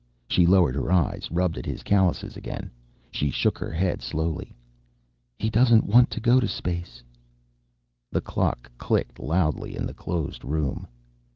She lowered her eyes, rubbed at his calluses again. She shook her head slowly. "He doesn't want to go to space." The clock clicked loudly in the closed room.